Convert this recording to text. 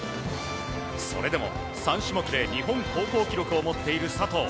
それでも３種目で日本高校記録を持っている佐藤。